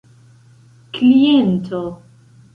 kliento